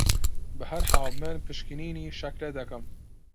بە هەرحاڵ من پشکنینی شەکرە دەکەم